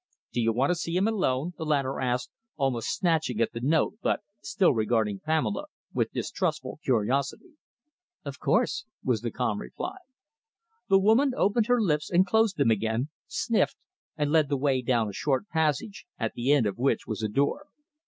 "Do you want to see him alone?" the latter asked, almost snatching at the note, but still regarding Pamela with distrustful curiosity. "Of course," was the calm reply. The woman opened her lips and closed them again, sniffed, and led the way down a short passage, at the end of which was a door.